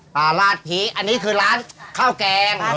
ปลาราศพริกอันนี้คือร้านข้าวแกง